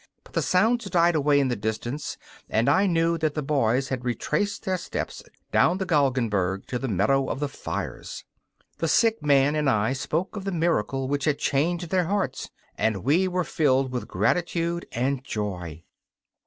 But the sounds died away in the distance, and I knew that the boys had retraced their steps down the Galgenberg to the meadow of the fires. The sick man and I spoke of the miracle which had changed their hearts, and we were filled with gratitude and joy.